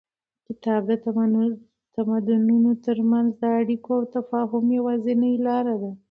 کتاب د تمدنونو تر منځ د اړیکو او تفاهم یوازینۍ لاره ده.